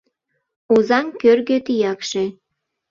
Озаҥ кӧргӧ тиякше